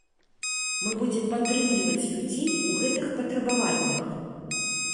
Мы будзем падтрымліваць людзей у гэтых патрабаваннях.